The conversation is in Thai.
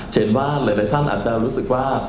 เห็นว่าหลายท่านอาจจะรู้สึกว่า